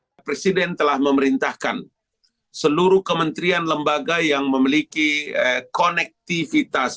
kapolri telah memerintahkan seluruh kementerian dan lembaga yang memiliki konektivitas